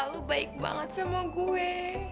lu baik banget sama gue